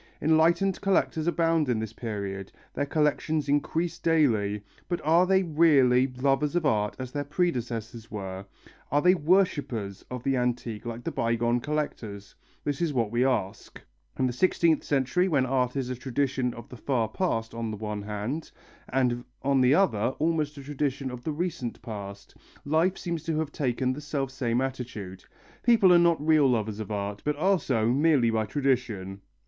Enlightened collectors abound in this period, their collections increase daily, but are they really lovers of art as their predecessors were, are they worshippers of the antique like the bygone collectors? This is what we ask. In the sixteenth century when art is a tradition of the far past, on the one hand, and on the other, almost a tradition of the recent past, life seems to have taken the selfsame attitude: people are not real lovers of art, but are so merely by tradition.